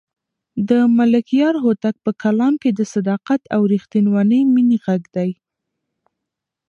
د ملکیار هوتک په کلام کې د صداقت او رښتونې مینې غږ دی.